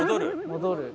戻る。